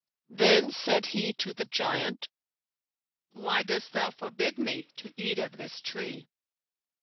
Then said he to the giant, 'Why cost thou forbid me to eat of this tree?'